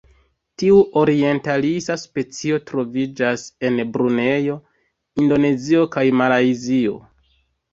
Tiu orientalisa specio troviĝas en Brunejo, Indonezio kaj Malajzio.